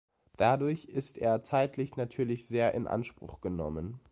Dadurch ist er zeitlich natürlich sehr in Anspruch genommen.